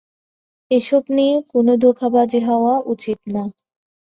এসব নিয়ে কোনো ধোঁকাবাজি হওয়া উচিত না।